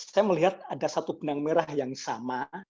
saya melihat ada satu benang merah yang sama